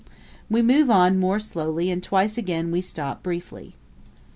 We move on more slowly and twice again we stop briefly.